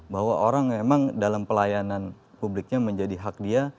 bahwa orang memang dalam pelayanan publiknya menjadi hak dia